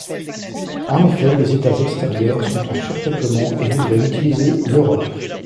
En effet, les états extérieurs sont en surpeuplement et voudraient utiliser l'Europe.